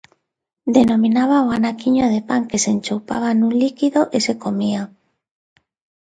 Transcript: Denominaba o anaquiño de pan que se enchoupaba nun líquido e se comía.